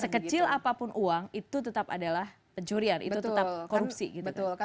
sekecil apapun uang itu tetap adalah pencurian itu tetap korupsi gitu